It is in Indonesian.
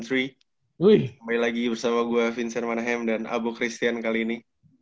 kembali lagi bersama gue vincermanahem dan abu christian kali ini